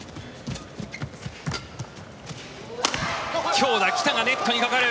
強打、来たがネットにかかる。